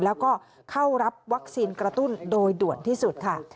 แล้วก็เข้ารับวัคซีนกระตุ้นโดยด่วนที่สุดค่ะ